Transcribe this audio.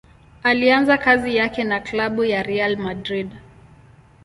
Alianza kazi yake na klabu ya Real Madrid.